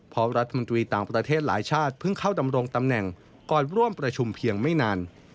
เพราะรัฐมนตรีต่างประเทศหลายชาติเพิ่งเข้าดำรงตำแหน่งก่อนร่วมประชุมเพียงไม่นาน